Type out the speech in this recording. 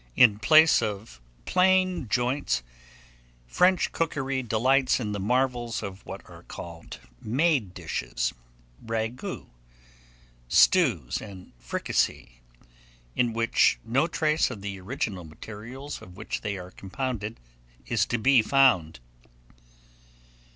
In place of plain joints, French cookery delights in the marvels of what are called made dishes, ragouts, stews, and fricassees, in which no trace of the original materials of which they are compounded is to be found.